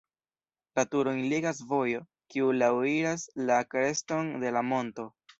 La turojn ligas vojo, kiu laŭiras la kreston de la monto.